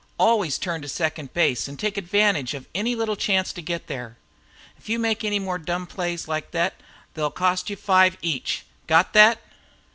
Always turn for second base, an' take advantage of any little chance to get there. If you make any more dumb plays like thet they'll cost you five each. Got thet?"